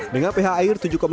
dengan ph air tujuh dua